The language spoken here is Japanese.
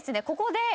ここで。